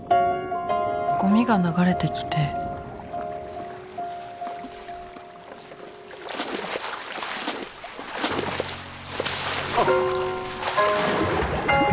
ゴミが流れてきてあっ。